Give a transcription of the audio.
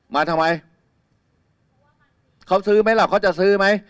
มาทำไมเขาก็จะซื้อมั้ย